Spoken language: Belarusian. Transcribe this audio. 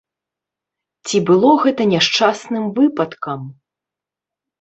Ці было гэта няшчасным выпадкам?